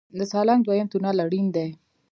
د سالنګ دویم تونل اړین دی